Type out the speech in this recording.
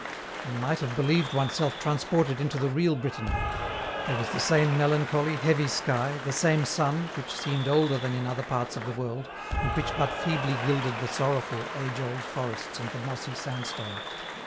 One might have believed oneself transported into the real Brittany. There was the same melancholy, heavy sky, the same sun, which seemed older than in other parts of the world and which but feebly gilded the sorrowful, age old forests and the mossy sandstone.